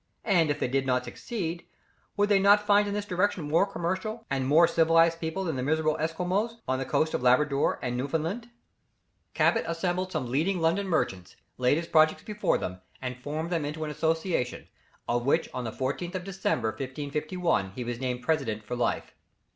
And if they did not succeed, would they not find in this direction more commercial, and more civilized people than the miserable Esquimaux on the coast of Labrador and Newfoundland? Cabot assembled some leading London merchants, laid his projects before them, and formed them into an association, of which on the 14th of December, 1551, he was named president for life.